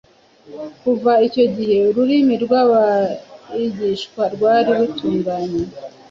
Kuva icyo gihe ururimi rw’abigishwa rwari rutunganye,